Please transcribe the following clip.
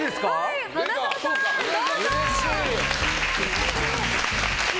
花澤さん、どうぞ！